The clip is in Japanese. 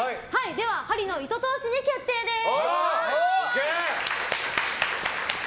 針の糸通しに決定です！